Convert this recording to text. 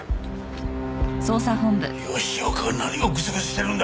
吉岡は何をぐずぐずしてるんだ！